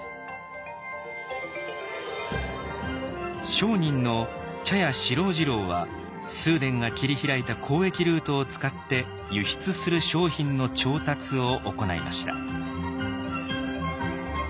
商人の茶屋四郎次郎は崇伝が切り開いた交易ルートを使って輸出する商品の調達を行いました。